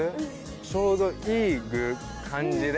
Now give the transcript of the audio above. ちょうどいい感じで。